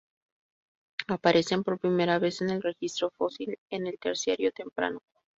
Aparecen por primera vez en el registro fósil en el Terciario temprano.